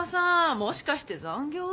もしかして残業？